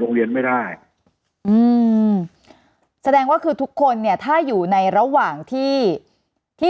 โรงเรียนไม่ได้อืมแสดงว่าคือทุกคนเนี่ยถ้าอยู่ในระหว่างที่ที่